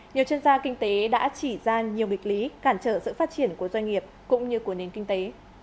nhiều chuyên gia kinh tế đã chỉ ra nhiều nghịch lý cản trở sự phát triển của doanh nghiệp cũng như của nền kinh tế